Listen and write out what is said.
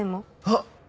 あっ。